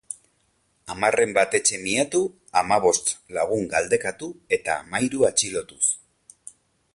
Hamarren bat etxe miatu, hamabost lagun galdekatu eta hamairu atxilotuz.